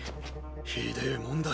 ひでぇもんだ。